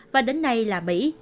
và đến nay là mỹ